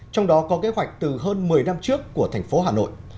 trong đó có kế hoạch từ hơn một mươi năm trước của thành phố hà nội